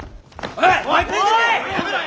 おい！